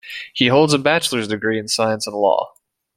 He holds a bachelor's degree in Science and Law.